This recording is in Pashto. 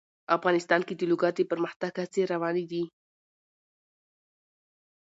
افغانستان کې د لوگر د پرمختګ هڅې روانې دي.